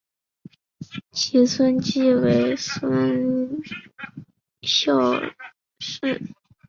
其孙即为宋孝宗。